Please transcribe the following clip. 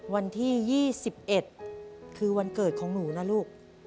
วันที่๒๑คือวันเกิดของหนูนะลูก